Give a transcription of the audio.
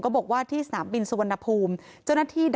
บอกว่าที่สนามบินสุวรรณภูมิ